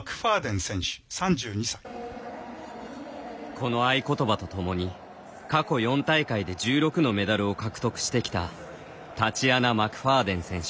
この合言葉とともに過去４大会で１６のメダルを獲得してきたタチアナ・マクファーデン選手。